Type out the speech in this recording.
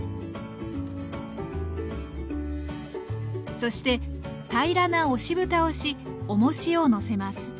そして平らな押しぶたをしおもしをのせます。